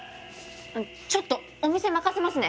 ちょっとお店任せますね！